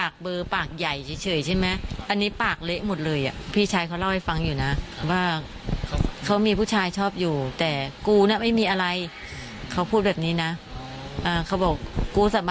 เขาเป็นเพื่อนกันกินเหล้าด้วยกันอะไรอย่างนี้ครับ